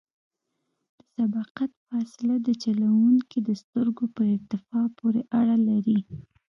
د سبقت فاصله د چلوونکي د سترګو په ارتفاع پورې اړه لري